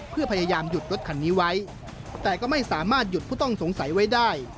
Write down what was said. เพื่อพยายามหยุดรถคันนี้ไว้แต่ก็ไม่สามารถหยุดผู้ต้องสงสัยไว้ได้